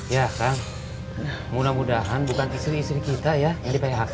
ya kan mudah mudahan bukan istri istri kita ya yang di phk